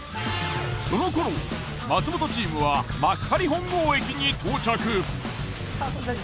その頃松本チームは幕張本郷駅に到着。